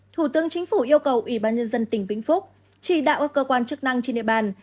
thủ tướng chính phủ yêu cầu ủy ban nhân dân tỉnh vĩnh phúc chỉ đạo các cơ quan chức năng trên địa bàn